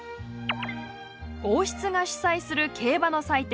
王室が主催する競馬の祭典